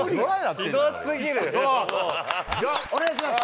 お願いします！